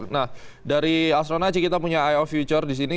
nah dari astronaci kita punya eye of future disini